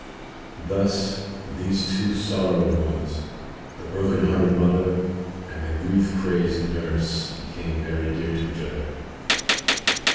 Thus these two sorrowing ones, the broken hearted mother and the grief crazed nurse, became very dear to each other.